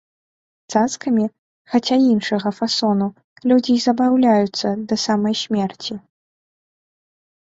Цацкамі, хаця іншага фасону, людзі і забаўляюцца да самай смерці.